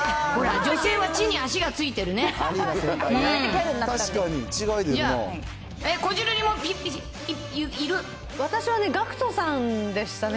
女性は地に足がついてますね。